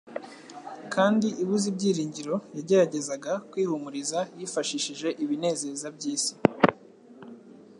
kandi ibuze ibyiringiro, yageragezaga kwihumuriza yifashishije ibinezeza by'isi: